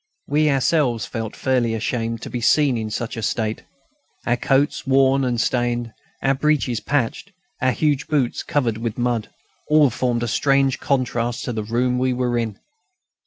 We ourselves felt fairly ashamed to be seen in such a state. Our coats worn and stained, our breeches patched, our huge boots covered with mud, all formed a strange contrast to the room we were in.